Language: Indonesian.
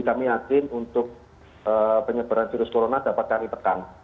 kami yakin untuk penyebaran virus corona dapat kami tekan